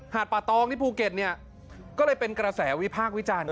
ป่าตองที่ภูเก็ตเนี่ยก็เลยเป็นกระแสวิพากษ์วิจารณ์